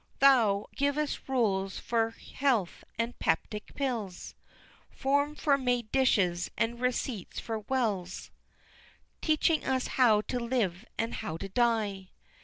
Thou givest rules for Health and Peptic Pills, Forms for made dishes, and receipts for Wills, "Teaching us how to live and how to die!"